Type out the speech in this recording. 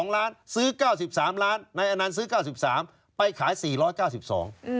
๔๙๒ล้านซื้อ๙๓ล้านนายอนันทร์ซื้อ๙๓ล้านไปขาย๔๙๒ล้าน